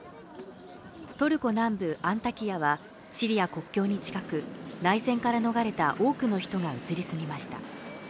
トルコ南部アンタキヤは、シリア国境に近く内戦から逃れた多くの人が移り住みました。